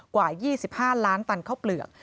กว่า๒๕ล้านตันข้าวเปลือก